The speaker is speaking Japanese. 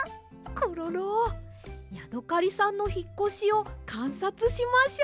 コロロヤドカリさんのひっこしをかんさつしましょう。